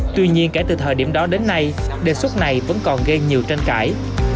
tuy nhiên kể từ thời điểm đó đến nay đề xuất này vẫn còn gây nhiều tranh cãi